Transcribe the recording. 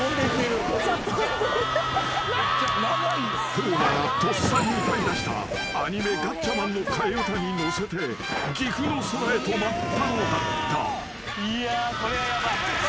［風磨がとっさに歌いだしたアニメ『ガッチャマン』の替え歌に乗せて岐阜の空へと舞ったのだった］